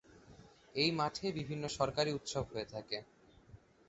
এই মাঠে বিভিন্ন সরকারি উৎসব হয়ে থাকে।